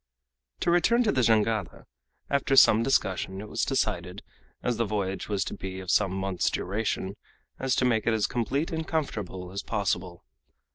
To return to the Jangada. After some discussion it was decided, as the voyage was to be of some months' duration, to make it as complete and comfortable as possible.